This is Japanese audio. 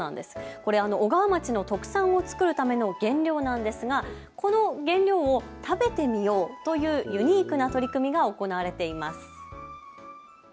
これ、小川町の特産を作るための原料なんですがその原料を食べてみようというユニークな取り組みが行われています。